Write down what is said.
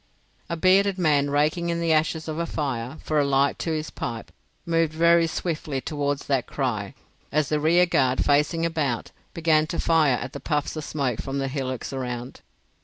A bearded man raking in the ashes of a fire for a light to his pipe moved very swiftly towards that cry, as the rearguard, facing about, began to fire at the puffs of smoke from the hillocks around.